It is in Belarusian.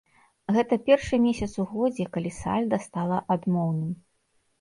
Гэта першы месяц у годзе, калі сальда стала адмоўным.